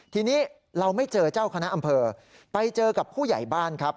ทีนี้เราไม่เจอเจ้าคณะอำเภอไปเจอกับผู้ใหญ่บ้านครับ